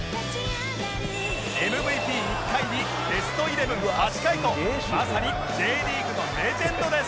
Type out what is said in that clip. ＭＶＰ１ 回にベストイレブン８回とまさに Ｊ リーグのレジェンドです